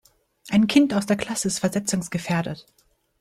Ein Kind aus der Klasse ist versetzungsgefährdet.